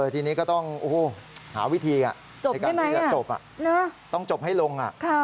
ทีนี้ก็ต้องหาวิธีจบให้ลง